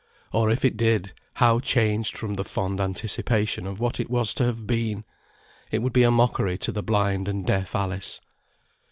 Or if it did, how changed from the fond anticipation of what it was to have been! It would be a mockery to the blind and deaf Alice.